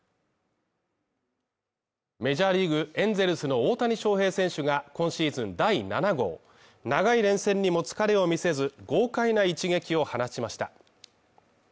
メジャーリーグ・エンゼルスの大谷翔平選手が今シーズン第７号長い連戦にも疲れを見せず、豪快な一撃を放ちました。